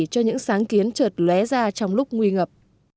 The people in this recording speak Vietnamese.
cho những sáng kiến trợt lué ra trong lúc nguy ngập